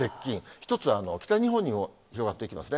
１つは北日本にも広がっていきますね。